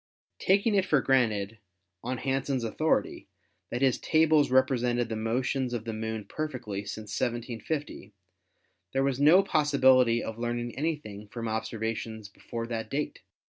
"Taking it for granted, on Hansen's authority, that his tables represented the motions of the Moon perfectly since 1750, was there no possibility of learning anything from observations before that date?